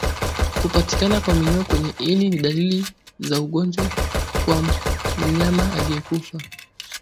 Kupatikana kwa minyoo kwenye ini ni dalili za ugonjwa kwa mnyama aliyekufa